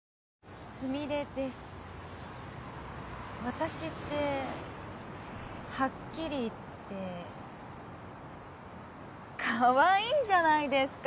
私ってはっきり言ってかわいいじゃないですか。